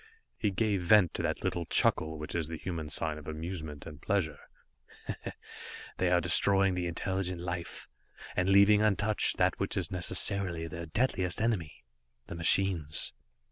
He gave vent to that little chuckle which is the human sign of amusement and pleasure. "They are destroying the intelligent life and leaving untouched that which is necessarily their deadliest enemy the machines.